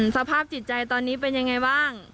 สภาพจิตใจตอนนี้เป็นยังไงบ้าง